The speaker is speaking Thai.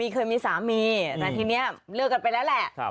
เคยมีสามีแต่ทีนี้เลิกกันไปแล้วแหละ